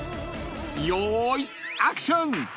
［よーいアクション！］